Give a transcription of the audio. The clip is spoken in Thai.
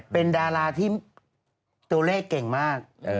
เป็นดาราที่ตัวเลขเก่งมาก